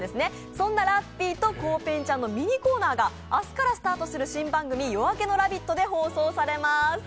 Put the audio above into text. そんなラッピーとコウペンちゃんのミニコーナーが明日からスタートする新番組「夜明けのラヴィット！」で放送されます。